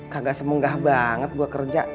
kagak semenggah banget gue kerja